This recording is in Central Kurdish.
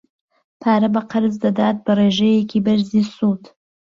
پارە بە قەرز دەدات بە ڕێژەیەکی بەرزی سوود.